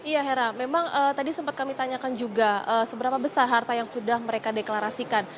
ya hera memang tadi sempat kami tanyakan juga seberapa besar harta yang sudah mereka deklarasikan